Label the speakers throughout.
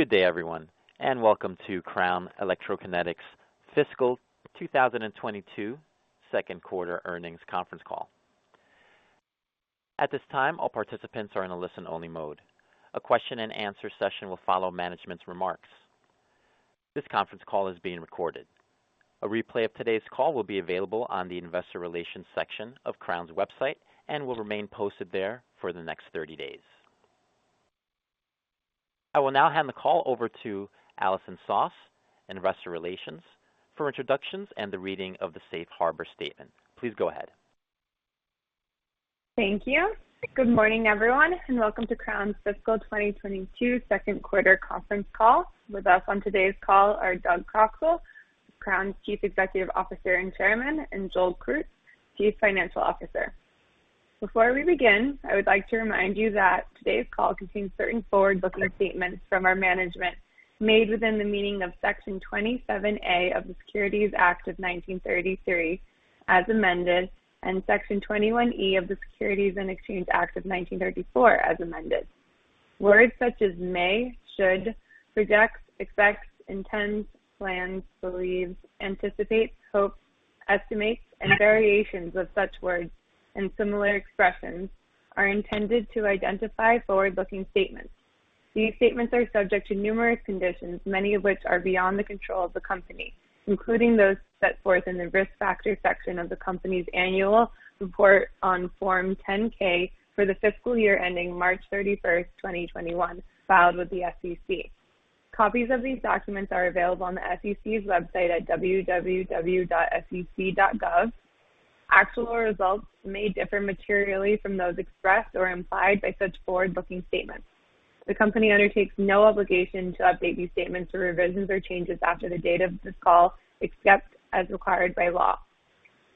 Speaker 1: Good day, everyone, and welcome to Crown Electrokinetics Fiscal 2022 second quarter earnings conference call. At this time, all participants are in a listen-only mode. A question and answer session will follow management's remarks. This conference call is being recorded. A replay of today's call will be available on the investor relations section of Crown's website and will remain posted there for the next 30 days. I will now hand the call over to Allison Soss in investor relations for introductions and the reading of the Safe Harbor statement. Please go ahead.
Speaker 2: Thank you. Good morning, everyone, and welcome to Crown's fiscal 2022 Q2 conference call. With us on today's call are Doug Croxall, Crown's Chief Executive Officer and Chairman, and Joel Krutz, Chief Financial Officer. Before we begin, I would like to remind you that today's call contains certain forward-looking statements from our management made within the meaning of Section 27A of the Securities Act of 1933, as amended, and Section 21E of the Securities Exchange Act of 1934, as amended. Words such as may, should, projects, expects, intends, plans, believes, anticipates, hopes, estimates, and variations of such words and similar expressions are intended to identify forward-looking statements. These statements are subject to numerous conditions, many of which are beyond the control of the company, including those set forth in the Risk Factors section of the company's annual report on Form 10-K for the fiscal year ending March 31st, 2021, filed with the SEC. Copies of these documents are available on the SEC's website at www.sec.gov. Actual results may differ materially from those expressed or implied by such forward-looking statements. The company undertakes no obligation to update these statements or revisions or changes after the date of this call, except as required by law.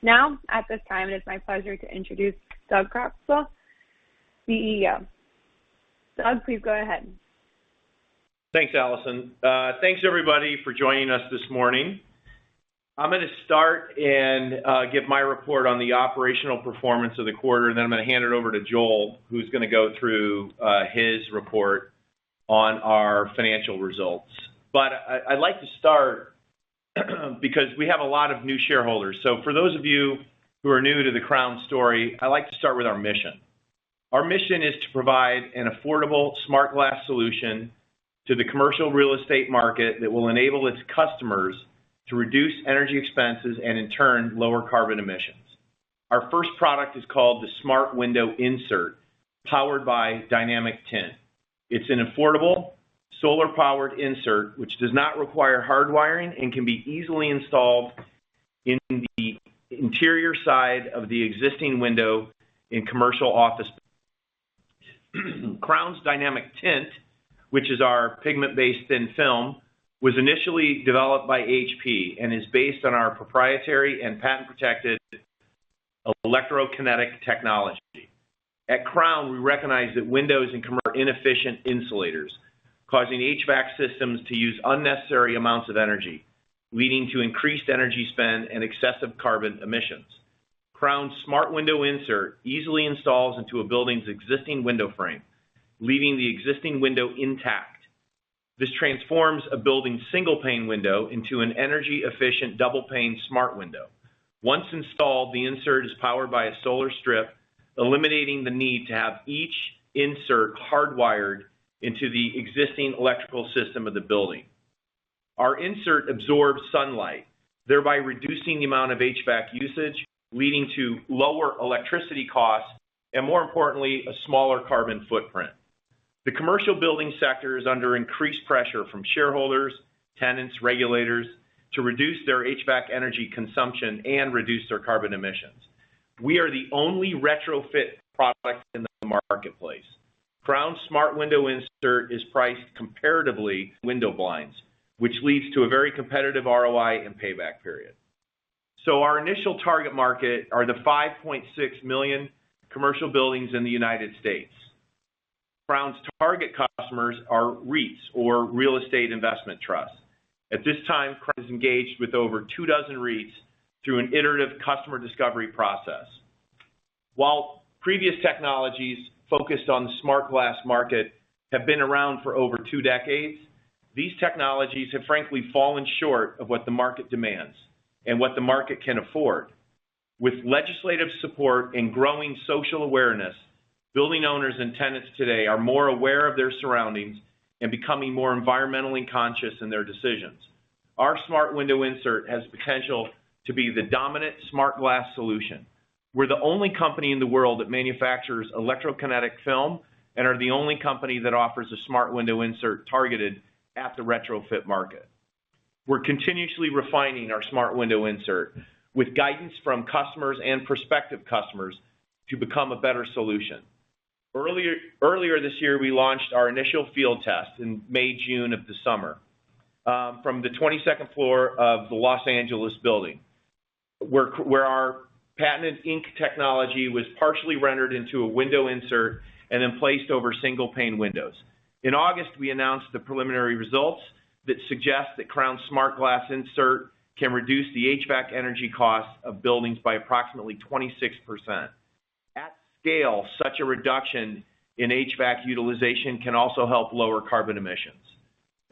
Speaker 2: Now, at this time, it is my pleasure to introduce Doug Croxall, CEO. Doug, please go ahead.
Speaker 3: Thanks, Allison. Thanks everybody for joining us this morning. I'm gonna start and give my report on the operational performance of the quarter, and then I'm gonna hand it over to Joel, who's gonna go through his report on our financial results. I'd like to start because we have a lot of new shareholders. For those of you who are new to the Crown story, I like to start with our mission. Our mission is to provide an affordable smart glass solution to the commercial real estate market that will enable its customers to reduce energy expenses and in turn, lower carbon emissions. Our first product is called the Smart Window Insert, powered by DynamicTint. It's an affordable solar-powered insert, which does not require hardwiring and can be easily installed in the interior side of the existing window in commercial office. Crown's DynamicTint, which is our pigment-based thin film, was initially developed by HP and is based on our proprietary and patent-protected electrokinetic technology. At Crown, we recognize that windows in commercial buildings are inefficient insulators, causing HVAC systems to use unnecessary amounts of energy, leading to increased energy spend and excessive carbon emissions. Crown's Smart Window Insert easily installs into a building's existing window frame, leaving the existing window intact. This transforms a building's single-pane window into an energy-efficient double-pane smart window. Once installed, the insert is powered by a solar strip, eliminating the need to have each insert hardwired into the existing electrical system of the building. Our insert absorbs sunlight, thereby reducing the amount of HVAC usage, leading to lower electricity costs, and more importantly, a smaller carbon footprint. The commercial building sector is under increased pressure from shareholders, tenants, regulators, to reduce their HVAC energy consumption and reduce their carbon emissions. We are the only retrofit product in the marketplace. Crown's Smart Window Insert is priced comparably to window blinds, which leads to a very competitive ROI and payback period. Our initial target market are the 5.6 million commercial buildings in the United States. Crown's target customers are REITs or real estate investment trusts. At this time, Crown is engaged with over 24 REITs through an iterative customer discovery process. While previous technologies focused on the smart glass market have been around for over 2 decades, these technologies have frankly fallen short of what the market demands and what the market can afford. With legislative support and growing social awareness, building owners and tenants today are more aware of their surroundings and becoming more environmentally conscious in their decisions. Our Smart Window Insert has potential to be the dominant smart glass solution. We're the only company in the world that manufactures electro kinetic film and are the only company that offers a Smart Window Insert targeted at the retrofit market. We're continuously refining our Smart Window Insert with guidance from customers and prospective customers to become a better solution. Earlier this year, we launched our initial field test in May, June of the summer, from the 22nd floor of the Los Angeles building, where our patented ink technology was partially rendered into a window insert and then placed over single pane windows. In August, we announced the preliminary results that suggest that Smart Window Insert can reduce the HVAC energy costs of buildings by approximately 26%. Such a reduction in HVAC utilization can also help lower carbon emissions.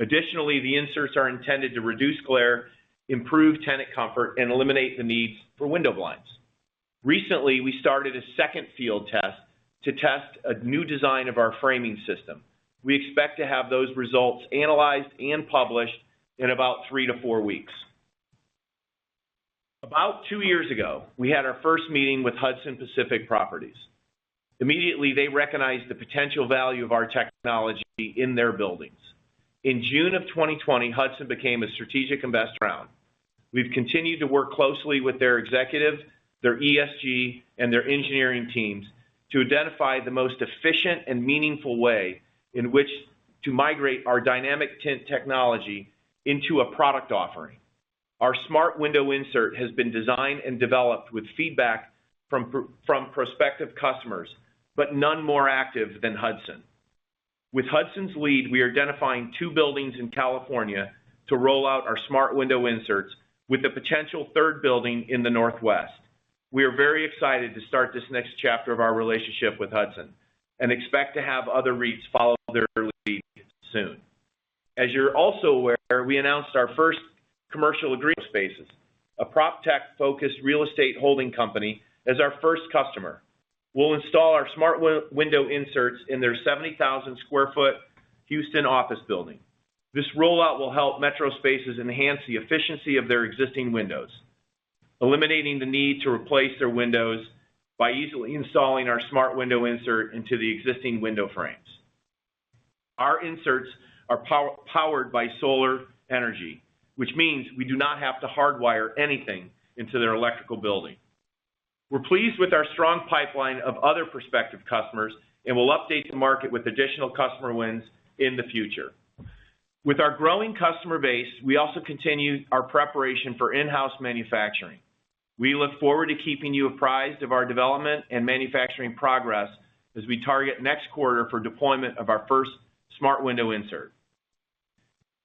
Speaker 3: Additionally, the inserts are intended to reduce glare, improve tenant comfort, and eliminate the need for window blinds. Recently, we started a second field test to test a new design of our framing system. We expect to have those results analyzed and published in about 3-4 weeks. About 2 years ago, we had our first meeting with Hudson Pacific Properties. Immediately, they recognized the potential value of our technology in their buildings. In June 2020, Hudson became a strategic investor. We've continued to work closely with their executive, their ESG, and their engineering teams to identify the most efficient and meaningful way in which to migrate our DynamicTint technology into a product offering. Our Smart Window Insert has been designed and developed with feedback from prospective customers, but none more active than Hudson. With Hudson's lead, we are identifying 2 buildings in California to roll out our Smart Window Inserts with the potential third building in the Northwest. We are very excited to start this next chapter of our relationship with Hudson and expect to have other REITs follow their lead soon. As you're also aware, we announced our first commercial agreement with MetroSpaces, a proptech-focused real estate holding company, as our first customer. We'll install our Smart Window Inserts in their 70,000 square feet Houston office building. This rollout will help MetroSpaces enhance the efficiency of their existing windows, eliminating the need to replace their windows by easily installing our Smart Window Insert into the existing window frames. Our inserts are powered by solar energy, which means we do not have to hardwire anything into their electrical building. We're pleased with our strong pipeline of other prospective customers, and we'll update the market with additional customer wins in the future. With our growing customer base, we also continue our preparation for in-house manufacturing. We look forward to keeping you apprised of our development and manufacturing progress as we target next quarter for deployment of our first Smart Window Insert.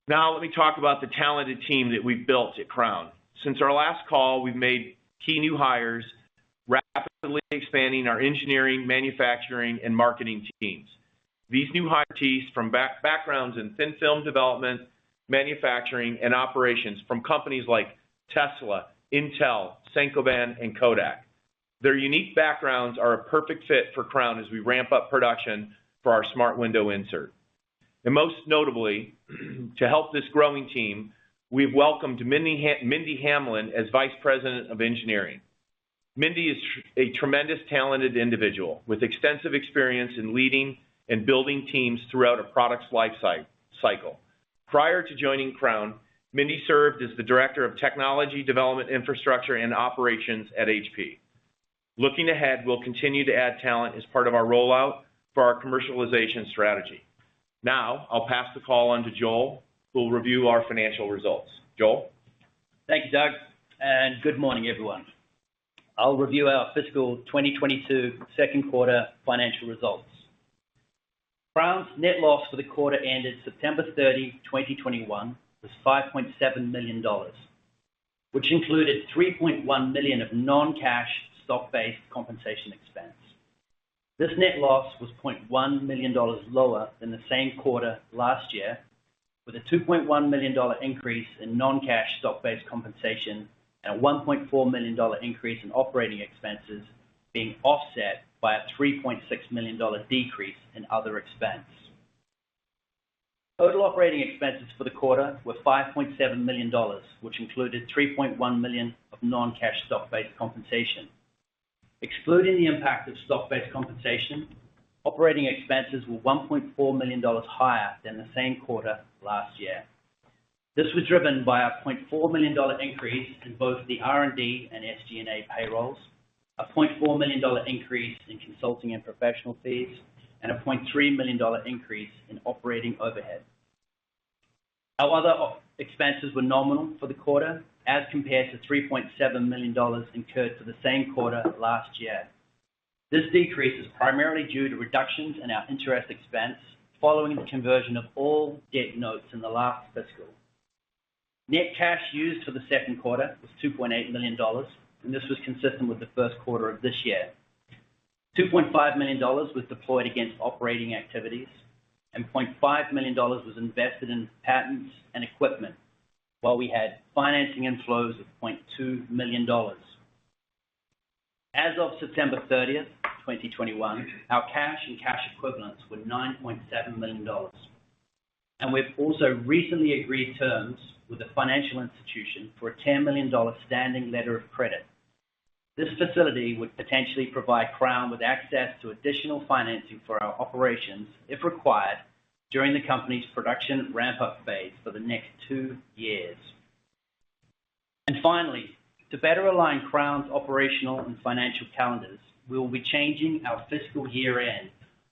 Speaker 3: Now let me talk about the talented team that we've built at Crown. Since our last call, we've made key new hires, rapidly expanding our engineering, manufacturing, and marketing teams. These new hires come from backgrounds in thin film development, manufacturing, and operations from companies like Tesla, Intel, Saint-Gobain, and Kodak. Their unique backgrounds are a perfect fit for Crown as we ramp up production for our smart window insert. Most notably, to help this growing team, we've welcomed Mindy Hamlin as Vice President of Engineering. Mindy is a tremendously talented individual with extensive experience in leading and building teams throughout a product's life cycle. Prior to joining Crown, Mindy served as the Director of Technology Development Infrastructure and Operations at HP. Looking ahead, we'll continue to add talent as part of our rollout for our commercialization strategy. Now I'll pass the call on to Joel, who will review our financial results. Joel?
Speaker 4: Thank you, Doug, and good morning, everyone. I'll review our fiscal 2022 second quarter financial results. Crown's net loss for the quarter ended September 30, 2021, was $5.7 million, which included $3.1 million of non-cash stock-based compensation expense. This net loss was $0.1 million lower than the same quarter last year, with a $2.1 million increase in non-cash stock-based compensation and a $1.4 million increase in operating expenses being offset by a $3.6 million decrease in other expense. Total operating expenses for the quarter were $5.7 million, which included $3.1 million of non-cash stock-based compensation. Excluding the impact of stock-based compensation, operating expenses were $1.4 million higher than the same quarter last year. This was driven by a $0.4 million increase in both the R&D and SG&A payrolls, a $0.4 million increase in consulting and professional fees, and a $0.3 million increase in operating overhead. Our other expenses were nominal for the quarter as compared to $3.7 million incurred for the same quarter last year. This decrease is primarily due to reductions in our interest expense following the conversion of all debt notes in the last fiscal. Net cash used for the second quarter was $2.8 million, and this was consistent with the first quarter of this year. $2.5 million was deployed against operating activities, and $0.5 million was invested in patents and equipment while we had financing inflows of $0.2 million. As of September 30, 2021, our cash and cash equivalents were $9.7 million. We've also recently agreed terms with a financial institution for a $10 million standing letter of credit. This facility would potentially provide Crown with access to additional financing for our operations if required during the company's production ramp-up phase for the next 2 years. Finally, to better align Crown's operational and financial calendars, we will be changing our fiscal year-end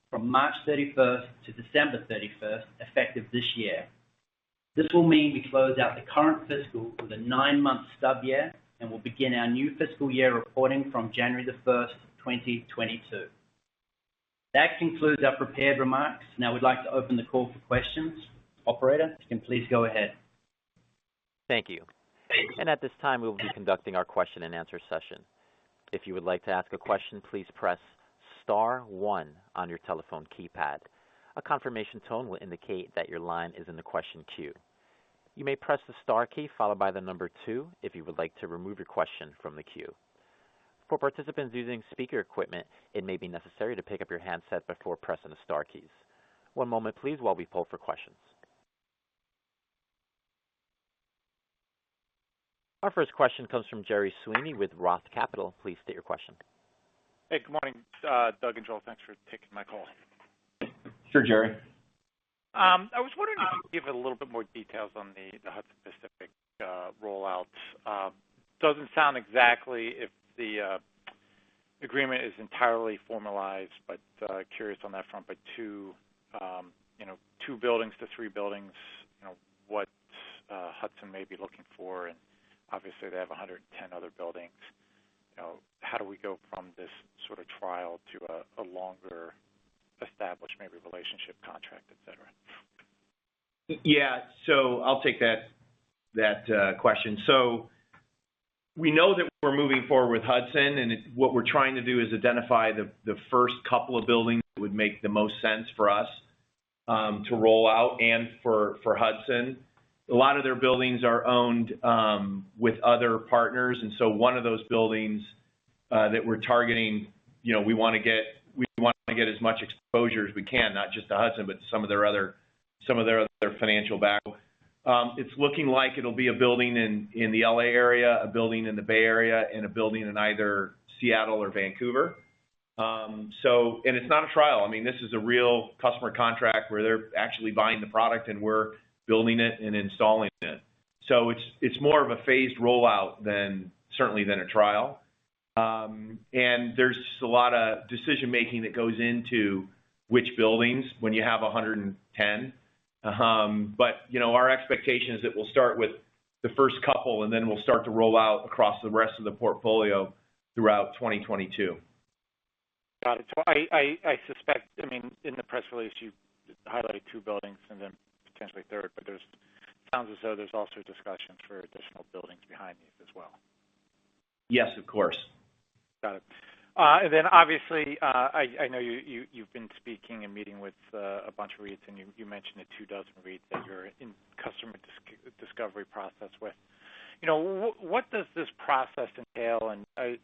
Speaker 4: from March 31st-December 31st, effective this year. This will mean we close out the current fiscal with a 9-month sub-year, and we'll begin our new fiscal year reporting from January 1st, 2022. That concludes our prepared remarks. Now we'd like to open the call for questions. Operator, you can please go ahead.
Speaker 1: Thank you. At this time, we will be conducting our Q&A session. If you would like to ask a question, please press star 1 on your telephone keypad. A confirmation tone will indicate that your line is in the question queue. You may press the star key followed by the number 2 if you would like to remove your question from the queue. For participants using speaker equipment, it may be necessary to pick up your handset before pressing the star keys. 1 moment, please, while we poll for questions. Our first question comes from Gerard Sweeney with Roth Capital. Please state your question.
Speaker 5: Hey, good morning, Doug and Joel. Thanks for taking my call.
Speaker 3: Sure, Gerard.
Speaker 5: I was wondering if you could give a little bit more details on the Hudson Pacific rollouts. Doesn't sound exactly if the agreement is entirely formalized, but curious on that front. 2, you know, 2-3 buildings, you know, what Hudson may be looking for. Obviously they have 110 other buildings, you know, how do we go from this sort of trial to a longer established maybe relationship, contract, et cetera?
Speaker 3: Yeah. I'll take that question. We know that we're moving forward with Hudson. What we're trying to do is identify the first couple of buildings that would make the most sense for us to roll out and for Hudson. A lot of their buildings are owned with other partners. 1 of those buildings that we're targeting, you know, we want to get as much exposure as we can, not just to Hudson, but some of their other financial backing. It's looking like it'll be a building in the L.A. area, a building in the Bay Area, and a building in either Seattle or Vancouver. It's not a trial. I mean, this is a real customer contract where they're actually buying the product and we're building it and installing it. It's more of a phased rollout than, certainly than a trial. There's a lot of decision-making that goes into which buildings when you have 110. You know, our expectation is that we'll start with the first couple, and then we'll start to roll out across the rest of the portfolio throughout 2022.
Speaker 5: Got it. I suspect, I mean, in the press release, you highlighted 2 buildings and then potentially a third, but it sounds as though there's also discussions for additional buildings behind these as well.
Speaker 3: Yes, of course.
Speaker 5: Got it. I know you've been speaking and meeting with a bunch of REITs, and you mentioned the 24 REITs that you're in customer discovery process with. You know, what does this process entail? And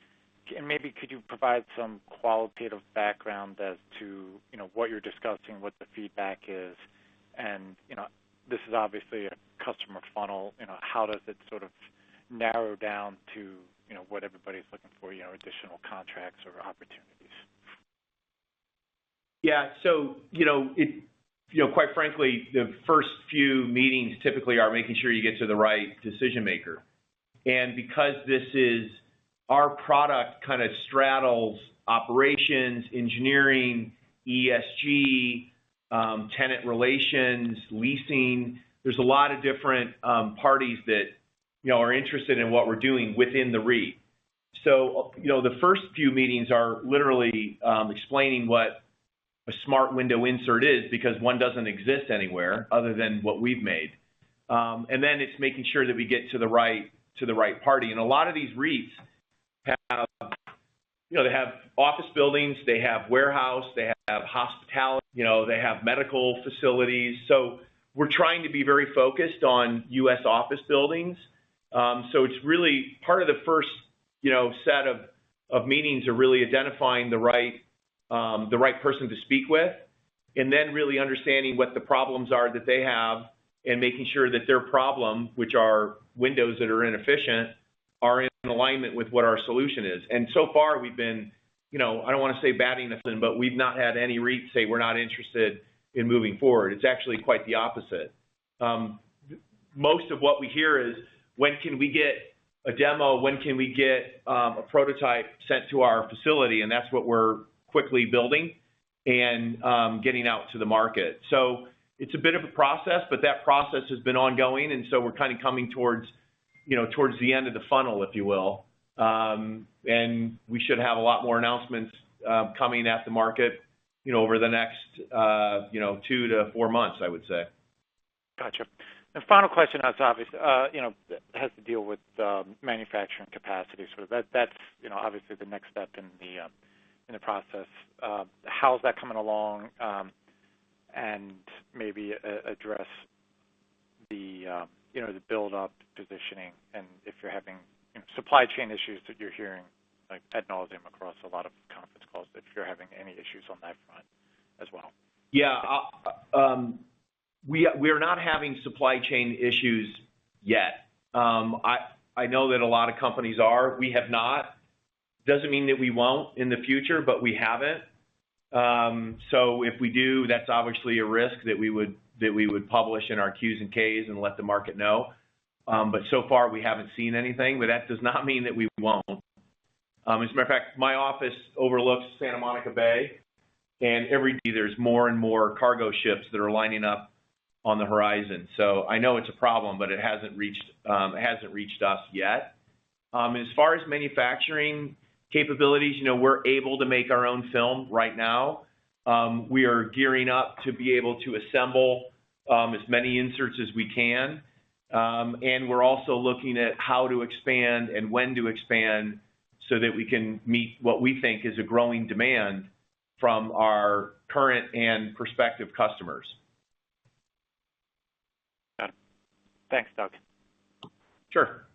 Speaker 5: maybe could you provide some qualitative background as to, you know, what you're discussing, what the feedback is? And, you know, this is obviously a customer funnel, you know, how does it sort of narrow down to, you know, what everybody's looking for, you know, additional contracts or opportunities?
Speaker 3: Yeah. You know, quite frankly, the first few meetings typically are making sure you get to the right decision-maker. Because this is our product, kind of straddles operations, engineering, ESG, tenant relations, leasing, there's a lot of different parties that, you know, are interested in what we're doing within the REIT. You know, the first few meetings are literally explaining what a Smart Window Insert is because 1 doesn't exist anywhere other than what we've made. Then it's making sure that we get to the right party. A lot of these REITs have, you know, they have office buildings, they have warehouse, they have hospitality, you know, they have medical facilities. We're trying to be very focused on U.S. office buildings. It's really part of the first, you know, set of meetings are really identifying the right person to speak with, and then really understanding what the problems are that they have and making sure that their problem, which are windows that are inefficient, are in alignment with what our solution is. We've been, you know, I don't want to say batting a thousand, but we've not had any REITs say, "We're not interested in moving forward." It's actually quite the opposite. Most of what we hear is, "When can we get a demo? When can we get a prototype sent to our facility?" That's what we're quickly building and getting out to the market. It's a bit of a process, but that process has been ongoing, and so we're kind of coming towards, you know, towards the end of the funnel, if you will. We should have a lot more announcements coming at the market, you know, over the next 2-4 months, I would say.
Speaker 5: Gotcha. Final question that's obvious, you know, has to deal with manufacturing capacity. That's, you know, obviously the next step in the process. How's that coming along? Maybe address the, you know, the build-up, positioning, and if you're having, you know, supply chain issues that you're hearing like ad nauseam across a lot of conference calls, if you're having any issues on that front as well.
Speaker 3: Yeah. We're not having supply chain issues yet. I know that a lot of companies are. We have not. Doesn't mean that we won't in the future, but we haven't. If we do, that's obviously a risk that we would publish in our Qs and Ks and let the market know. But so far, we haven't seen anything, but that does not mean that we won't. As a matter of fact, my office overlooks Santa Monica Bay, and every day there's more and more cargo ships that are lining up on the horizon. I know it's a problem, but it hasn't reached us yet. As far as manufacturing capabilities, you know, we're able to make our own film right now. We are gearing up to be able to assemble as many inserts as we can. We're also looking at how to expand and when to expand so that we can meet what we think is a growing demand from our current and prospective customers.
Speaker 5: Got it. Thanks, Doug.
Speaker 3: Sure.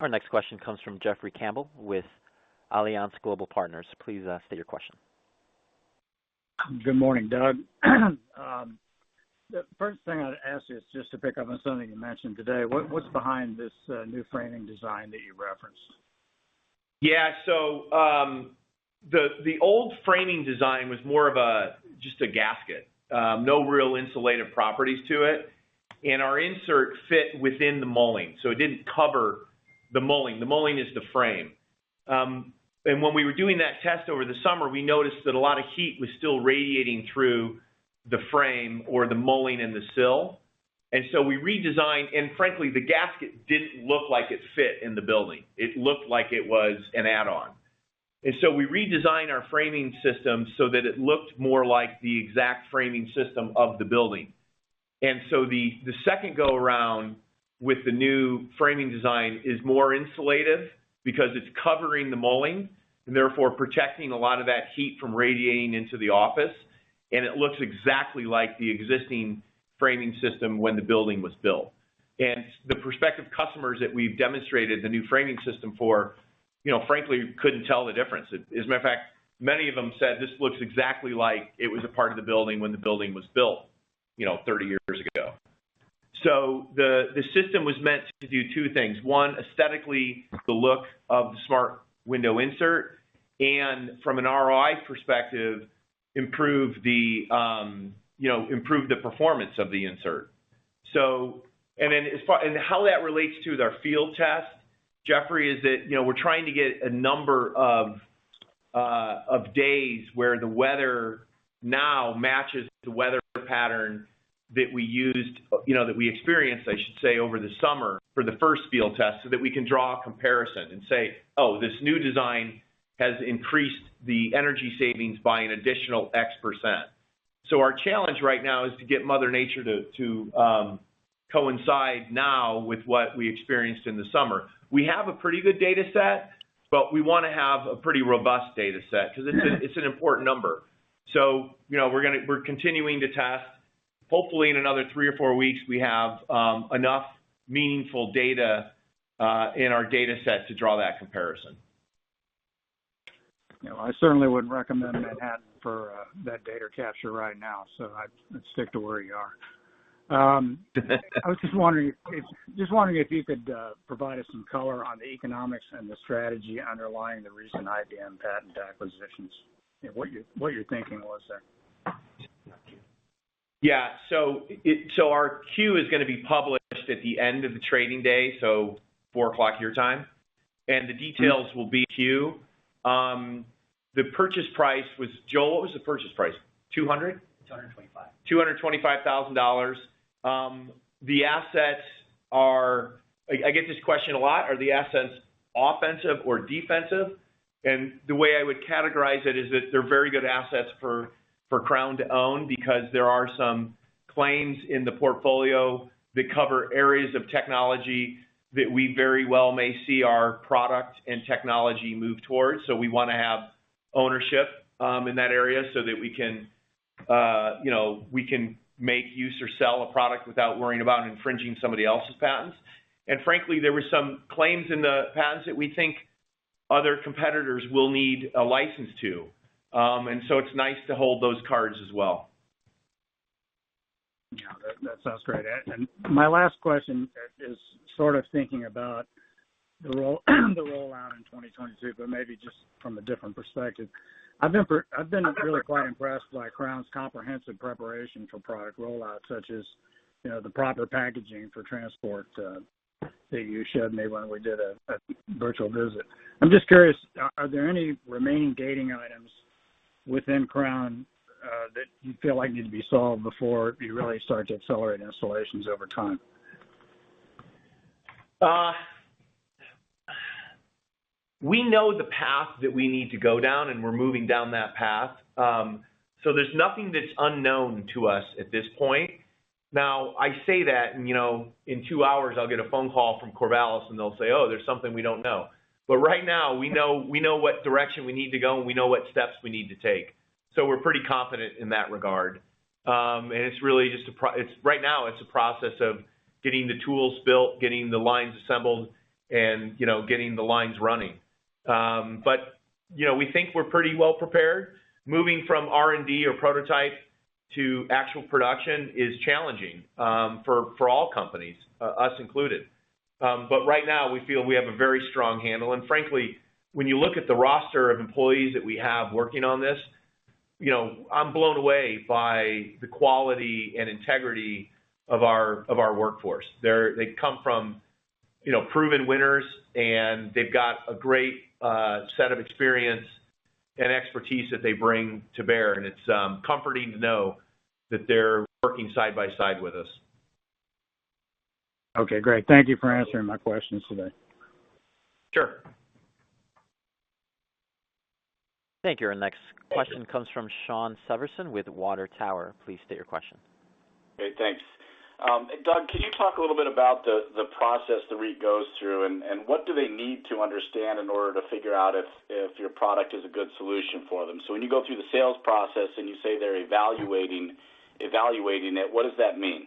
Speaker 1: Our next question comes from Jeffrey Campbell with Alliance Global Partners. Please, state your question.
Speaker 6: Good morning, Doug. The first thing I'd ask you is just to pick up on something you mentioned today. What's behind this new framing design that you referenced?
Speaker 3: The old framing design was more of a just a gasket. No real insulative properties to it. Our insert fit within the mullion, so it didn't cover the mullion. The mullion is the frame. When we were doing that test over the summer, we noticed that a lot of heat was still radiating through the frame or the mullion and the sill. Frankly, the gasket didn't look like it fit in the building. It looked like it was an add-on. We redesigned our framing system so that it looked more like the exact framing system of the building. The second go-around with the new framing design is more insulative because it's covering the mullion, and therefore protecting a lot of that heat from radiating into the office, and it looks exactly like the existing framing system when the building was built. The prospective customers that we've demonstrated the new framing system for, you know, frankly couldn't tell the difference. As a matter of fact, many of them said, "This looks exactly like it was a part of the building when the building was built, you know, 30 years ago." The system was meant to do 2 things. One, aesthetically, the look of the smart window insert, and from an ROI perspective, improve the performance of the insert. How that relates to their field test, Jeffrey, is that, you know, we're trying to get a number of days where the weather now matches the weather pattern that we used, you know, that we experienced, I should say, over the summer for the first field test, so that we can draw a comparison and say, "Oh, this new design has increased the energy savings by an additional X%." Our challenge right now is to get Mother Nature to coincide now with what we experienced in the summer. We have a pretty good data set, but we want to have a pretty robust data set 'cause it's an important number. You know, we're continuing to test. Hopefully, in another 3 or 4 weeks, we have enough meaningful data in our data set to draw that comparison.
Speaker 6: You know, I certainly wouldn't recommend Manhattan for that data capture right now, so I'd stick to where you are. Just wondering if you could provide us some colour on the economics and the strategy underlying the recent IBM patent acquisitions, you know, what your thinking was there.
Speaker 3: Our Q is gonna be published at the end of the trading day, 4:00 P.M. your time. The details will be with you. Joel, what was the purchase price? $200?
Speaker 4: 225.
Speaker 3: $225,000. The assets are. I get this question a lot, are the assets offensive or defensive? The way I would categorize it is that they're very good assets for Crown to own because there are some claims in the portfolio that cover areas of technology that we very well may see our product and technology move towards. We want to have ownership in that area so that we can you know make, use, or sell a product without worrying about infringing somebody else's patents. Frankly, there were some claims in the patents that we think other competitors will need a license to. It's nice to hold those cards as well.
Speaker 6: Yeah. That sounds great. My last question is sort of thinking about the rollout in 2022, but maybe just from a different perspective. I've been really quite impressed by Crown's comprehensive preparation for product rollout, such as, you know, the proper packaging for transport that you showed me when we did a virtual visit. I'm just curious, are there any remaining gating items within Crown that you feel like need to be solved before you really start to accelerate installations over time?
Speaker 3: We know the path that we need to go down, and we're moving down that path. There's nothing that's unknown to us at this point. Now, I say that and, you know, in 2 hours I'll get a phone call from Corvallis and they'll say, "Oh, there's something we don't know." Right now we know what direction we need to go, and we know what steps we need to take. We're pretty confident in that regard. It's really just a process of getting the tools built, getting the lines assembled, and, you know, getting the lines running. You know, we think we're pretty well prepared. Moving from R&D or prototype to actual production is challenging for all companies, us included. Right now we feel we have a very strong handle. Frankly, when you look at the roster of employees that we have working on this, you know, I'm blown away by the quality and integrity of our workforce. They come from, you know, proven winners, and they've got a great set of experience and expertise that they bring to bear, and it's comforting to know that they're working side by side with us.
Speaker 6: Okay, great. Thank you for answering my questions today.
Speaker 3: Sure.
Speaker 1: Thank you. Our next question comes from Shawn Severson with Water Tower Research. Please state your question.
Speaker 7: Hey, thanks. Doug, can you talk a little bit about the process the REIT goes through and what do they need to understand in order to figure out if your product is a good solution for them? When you go through the sales process and you say they're evaluating it, what does that mean?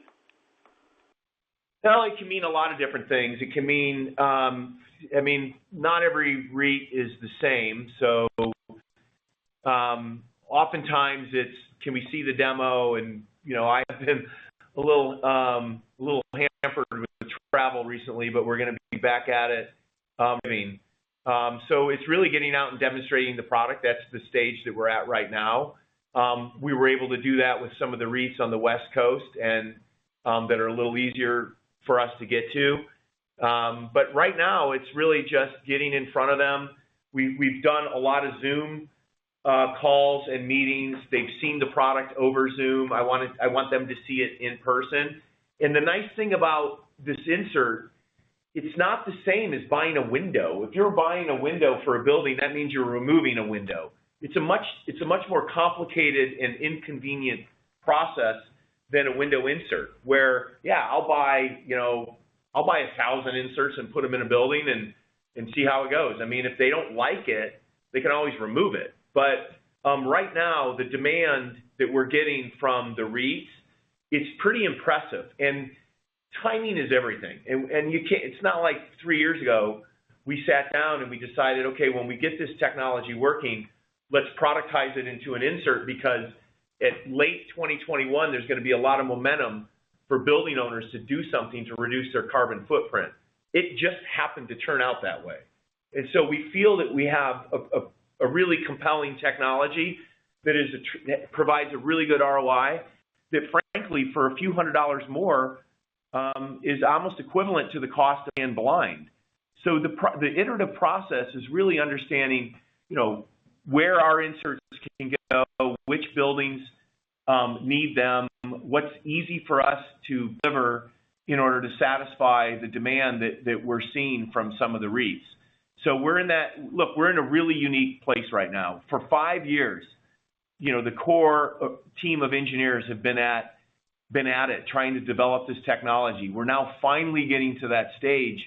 Speaker 3: Well, it can mean a lot of different things. It can mean, I mean, not every REIT is the same, so, oftentimes it's can we see the demo and, you know, I have been a little hampered with the travel recently, but we're gonna be back at it, I mean. It's really getting out and demonstrating the product. That's the stage that we're at right now. We were able to do that with some of the REITs on the West Coast and that are a little easier for us to get to. Right now it's really just getting in front of them. We've done a lot of Zoom calls and meetings. They've seen the product over Zoom. I want them to see it in person. The nice thing about this insert, it's not the same as buying a window. If you're buying a window for a building, that means you're removing a window. It's a much more complicated and inconvenient process than a window insert, where I'll buy, you know, 1,000 inserts and put them in a building and see how it goes. I mean, if they don't like it, they can always remove it. Right now the demand that we're getting from the REITs is pretty impressive. Timing is everything. It's not like 3 years ago we sat down and we decided, okay, when we get this technology working, let's productize it into an insert because in late 2021 there's gonna be a lot of momentum for building owners to do something to reduce their carbon footprint. It just happened to turn out that way. We feel that we have a really compelling technology that provides a really good ROI that frankly for a few hundred dollars more is almost equivalent to the cost of a blind. The iterative process is really understanding, you know, where our inserts can go, which buildings need them, what's easy for us to deliver in order to satisfy the demand that we're seeing from some of the REITs. Look, we're in a really unique place right now. For 5 years, you know, the core team of engineers have been at it trying to develop this technology. We're now finally getting to that stage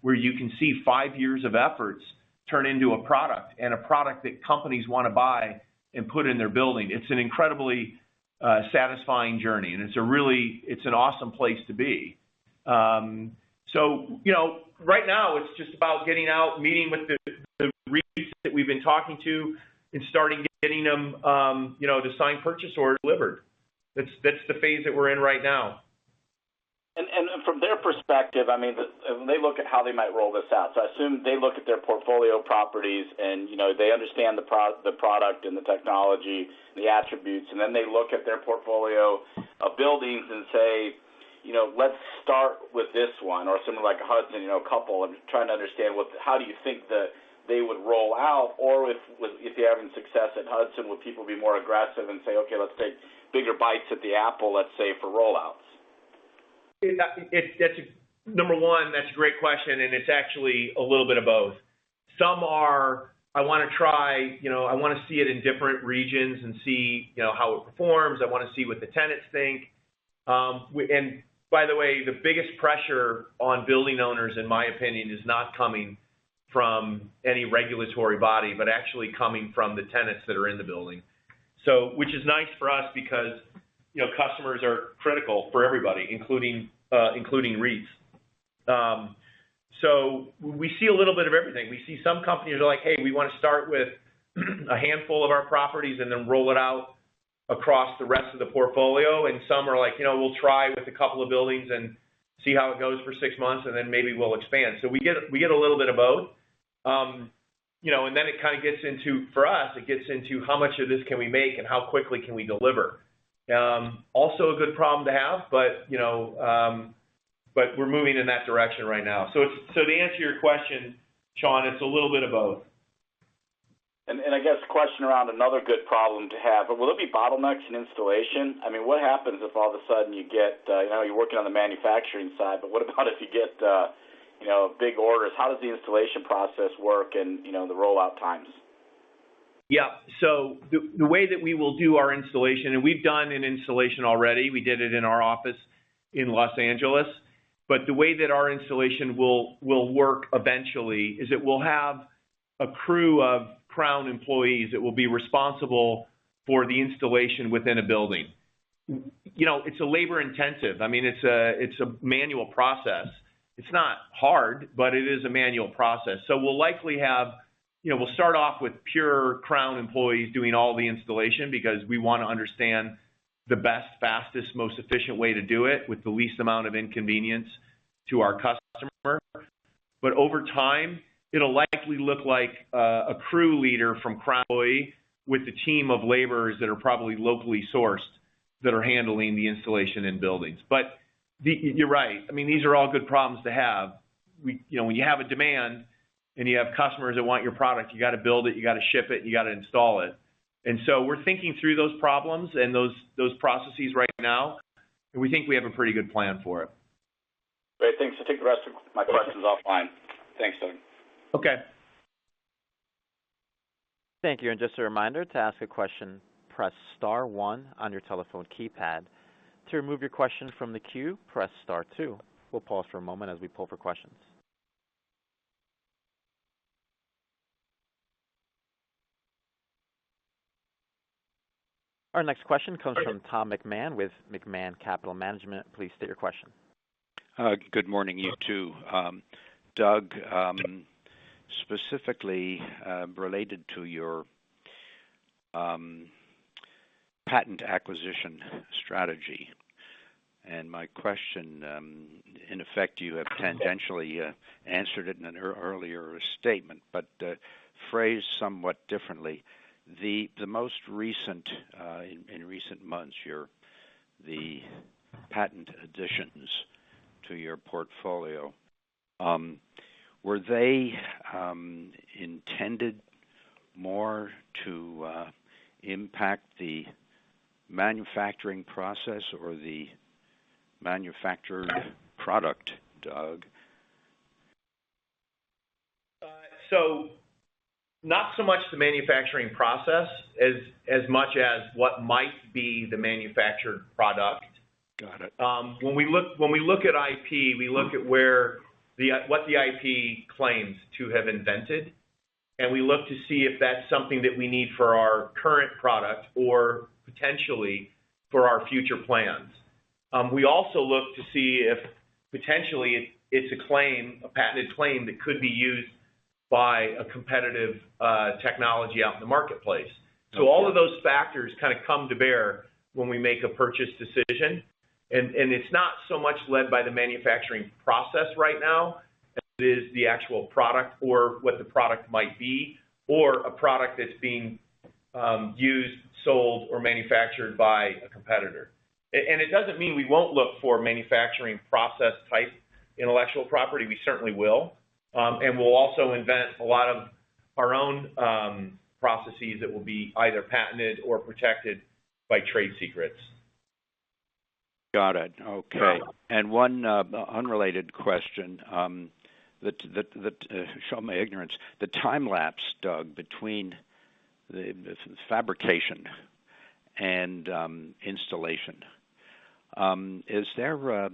Speaker 3: where you can see 5 years of efforts turn into a product and a product that companies want to buy and put in their building. It's an incredibly satisfying journey, and it's an awesome place to be. You know, right now it's just about getting out, meeting with the REITs that we've been talking to and starting getting them to sign purchase orders. That's the phase that we're in right now.
Speaker 7: From their perspective, I mean, when they look at how they might roll this out, I assume they look at their portfolio properties and, you know, they understand the product and the technology, the attributes, and then they look at their portfolio of buildings and say, you know, let's start with this 1 or something like Hudson, you know, a couple, and trying to understand how do you think that they would roll out or if you're having success at Hudson, would people be more aggressive and say, "Okay, let's take bigger bites at the apple," let's say, for roll outs?
Speaker 3: Yeah, that's a great question, and it's actually a little bit of both. Some are, I want to try, you know, I want to see it in different regions and see, you know, how it performs. I want to see what the tenants think. By the way, the biggest pressure on building owners in my opinion is not coming from any regulatory body but actually coming from the tenants that are in the building. Which is nice for us because, you know, customers are critical for everybody, including REITs. We see a little bit of everything. We see some companies are like, "Hey, we want to start with a handful of our properties and then roll it out across the rest of the portfolio." Some are like, you know, "We'll try with a couple of buildings and see how it goes for 6 months, and then maybe we'll expand." We get a little bit of both. You know, it kind of gets into, for us, it gets into how much of this can we make and how quickly can we deliver. Also a good problem to have, but, you know, but we're moving in that direction right now. To answer your question, Shawn, it's a little bit of both.
Speaker 7: I guess question around another good problem to have, but will it be bottlenecks in installation? I mean, what happens if all of a sudden you get, you know, you're working on the manufacturing side, but what about if you get, you know, big orders? How does the installation process work and, you know, the rollout times?
Speaker 3: Yeah. The way that we will do our installation, and we've done an installation already, we did it in our office in Los Angeles, but the way that our installation will work eventually is it will have a crew of Crown employees that will be responsible for the installation within a building. You know, it's labour intensive. I mean, it's a manual process. It's not hard, but it is a manual process. We'll likely have, you know, we'll start off with pure Crown employees doing all the installation because we want to understand the best, fastest, most efficient way to do it with the least amount of inconvenience to our customer. But over time, it'll likely look like a crew leader from Crown employee with a team of laborers that are probably locally sourced that are handling the installation in buildings. You're right. I mean, these are all good problems to have. You know, when you have a demand and you have customers that want your product, you got to build it, you got to ship it, you got to install it. We're thinking through those problems and those processes right now, and we think we have a pretty good plan for it.
Speaker 7: Great. Thanks. I think the rest of my questions offline. Thanks, Doug.
Speaker 3: Okay.
Speaker 1: Thank you. Just a reminder to ask a question, press star 1 on your telephone keypad. To remove your question from the queue, press star 2. We'll pause for a moment as we pull for questions. Our next question comes from Tom McMahon with McMahon Capital Management. Please state your question.
Speaker 8: Good morning, you 2. Doug, specifically related to your patent acquisition strategy, and my question in effect, you have tangentially answered it in an earlier statement, but phrased somewhat differently. The most recent in recent months, the patent additions to your portfolio, were they intended more to impact the manufacturing process or the manufactured product, Doug?
Speaker 3: Not so much the manufacturing process as much as what might be the manufactured product.
Speaker 8: Got it.
Speaker 3: When we look at IP, we look at what the IP claims to have invented, and we look to see if that's something that we need for our current product or potentially for our future plans. We also look to see if potentially it's a claim, a patented claim that could be used by a competitive technology out in the marketplace. All of those factors kind of come to bear when we make a purchase decision. It's not so much led by the manufacturing process right now as it is the actual product or what the product might be, or a product that's being used, sold, or manufactured by a competitor. It doesn't mean we won't look for manufacturing process type intellectual property. We certainly will. We'll also invent a lot of our own processes that will be either patented or protected by trade secrets.
Speaker 8: Got it. Okay. 1 unrelated question that show my ignorance. The time lapse, Doug, between the fabrication and installation, is there a,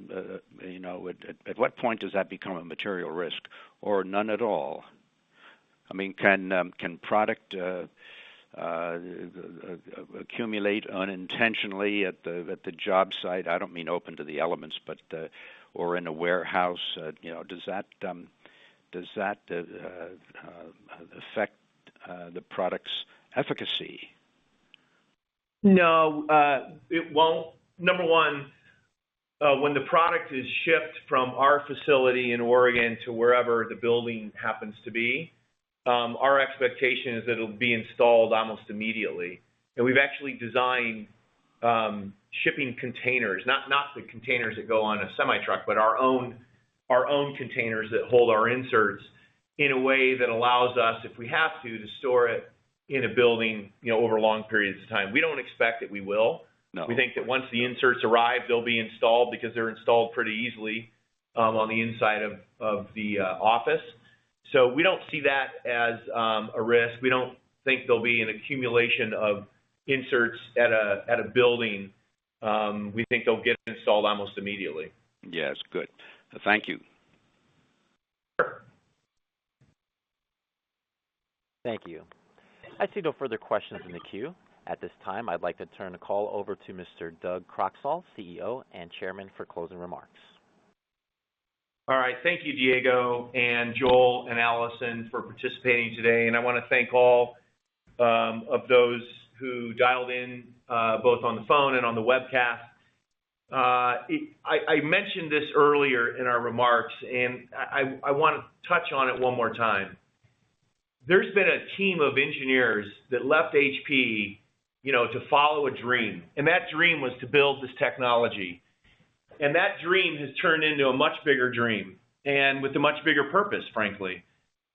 Speaker 8: you know, at what point does that become a material risk or none at all? I mean, can product accumulate unintentionally at the job site? I don't mean open to the elements, but or in a warehouse, you know. Does that affect the product's efficacy?
Speaker 3: No, it won't. Number one, when the product is shipped from our facility in Oregon to wherever the building happens to be, our expectation is that it'll be installed almost immediately. We've actually designed shipping containers, not the containers that go on a semi-truck, but our own containers that hold our inserts in a way that allows us, if we have to store it in a building, you know, over long periods of time. We don't expect that we will.
Speaker 8: No.
Speaker 3: We think that once the inserts arrive, they'll be installed because they're installed pretty easily on the inside of the office. We don't see that as a risk. We don't think there'll be an accumulation of inserts at a building. We think they'll get installed almost immediately.
Speaker 8: Yes. Good. Thank you.
Speaker 3: Sure.
Speaker 1: Thank you. I see no further questions in the queue. At this time, I'd like to turn the call over to Mr. Doug Croxall, CEO and Chairman, for closing remarks.
Speaker 3: All right. Thank you, Diego and Joel and Allison for participating today. I want to thank all of those who dialled in both on the phone and on the webcast. I want to touch on it 1 more time. There's been a team of engineers that left HP, you know, to follow a dream, and that dream was to build this technology. That dream has turned into a much bigger dream, and with a much bigger purpose, frankly.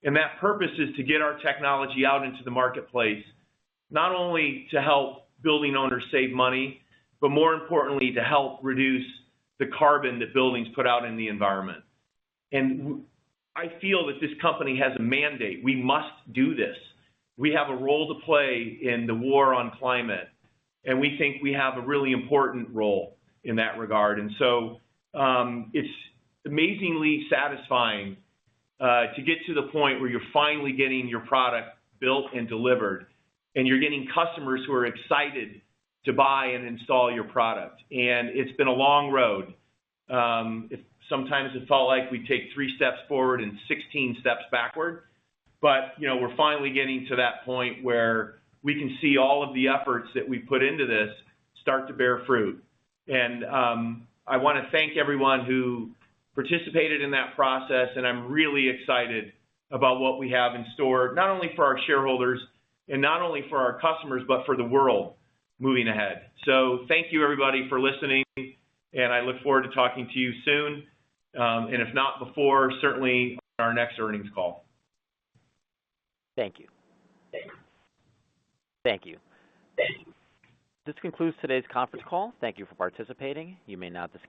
Speaker 3: That purpose is to get our technology out into the marketplace, not only to help building owners save money, but more importantly, to help reduce the carbon that buildings put out in the environment. I feel that this company has a mandate. We must do this. We have a role to play in the war on climate, and we think we have a really important role in that regard. It's amazingly satisfying to get to the point where you're finally getting your product built and delivered, and you're getting customers who are excited to buy and install your product. It's been a long road. Sometimes it felt like we take 3 steps forward and 16 steps backward, but you know, we're finally getting to that point where we can see all of the efforts that we put into this start to bear fruit. I want to thank everyone who participated in that process, and I'm really excited about what we have in store, not only for our shareholders and not only for our customers, but for the world moving ahead. Thank you everybody for listening, and I look forward to talking to you soon. If not before, certainly our next earnings call.
Speaker 1: Thank you.
Speaker 3: Thanks.
Speaker 1: Thank you.
Speaker 3: Thanks.
Speaker 1: This concludes today's conference call. Thank you for participating. You may now disconnect.